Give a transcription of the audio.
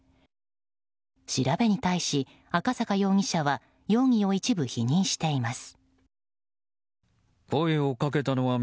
調べに対し、赤坂容疑者は容疑を一部否認しています。